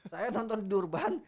saya nonton di durban